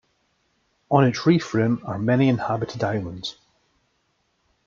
On its reef rim are many inhabited islands.